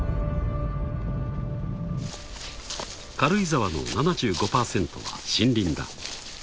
［軽井沢の７５％は森林だ］